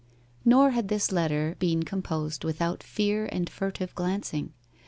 Nor had this letter been composed without fear and furtive glancing.